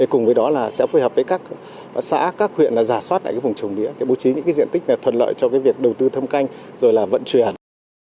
cùng với đó sẽ phối hợp với các xã các huyện giả soát lại vùng trồng mía bố trí những diện tích thuận lợi cho việc đầu tư thâm canh vận chuyển